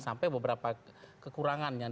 sampai beberapa kekurangan yang